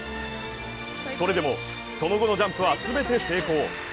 それでも、その後のジャンプは全て成功。